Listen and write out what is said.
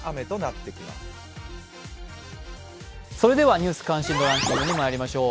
「ニュース関心度ランキング」にまいりましょう。